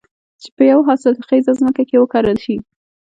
چې په يوه حاصل خېزه ځمکه کې وکرل شي.